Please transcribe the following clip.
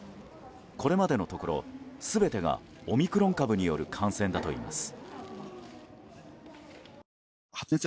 これまでのところ全てがオミクロン株による感染だといいます。